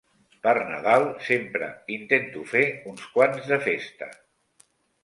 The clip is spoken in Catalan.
Per Nadal sempre intento fer uns quants de festa.